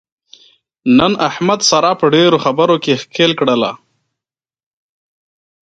نن احمد ساره په ډېرو خبرو کې ښکېل کړله.